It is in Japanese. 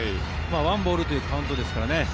１ボールというカウントですからね。